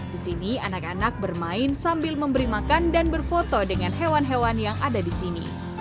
di sini anak anak bermain sambil memberi makan dan berfoto dengan hewan hewan yang ada di sini